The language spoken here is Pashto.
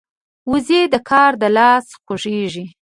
وزې د کار د لاسه خوښيږي